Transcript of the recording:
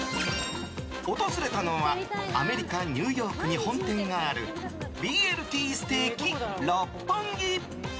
訪れたのは、アメリカニューヨークに本店があるＢＬＴＳＴＥＡＫ六本木。